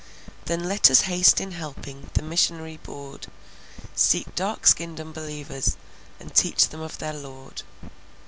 Then let us haste in helping The Missionary Board, Seek dark skinned unbelievers, And teach them of their Lord.